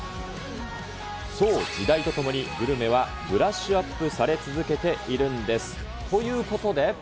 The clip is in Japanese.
そう、時代とともに、グルメはブラッシュアップされ続けているんです。ということで。